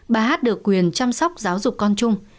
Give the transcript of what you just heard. bà hát được quyền chăm sóc giáo dục con chung